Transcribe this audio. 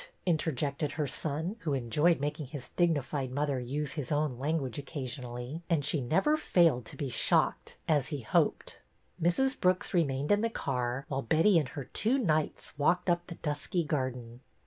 interjected her son, who enjoyed making his dignified mother use his own language occasionally, and she never failed to be shocked as he hoped. Mrs. Brooks remained in the car, while Betty and her two knights walked up the dusky garden.